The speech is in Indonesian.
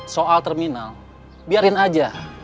soal terminal biarin aja